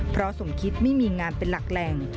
เพราะสมคิดไม่มีงานเป็นหลักแหล่ง